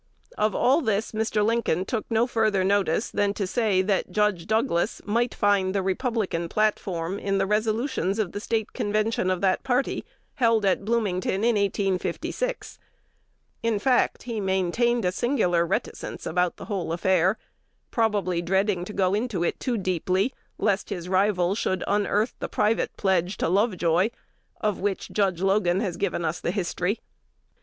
Of all this Mr. Lincoln took no further notice than to say that Judge Douglas might find the Republican platform in the resolutions of the State Convention of that party, held at Bloomington in 1856. In fact, he maintained a singular reticence about the whole affair, probably dreading to go into it too deeply, lest his rival should unearth the private pledge to Lovejoy, of which Judge Logan has given us the history.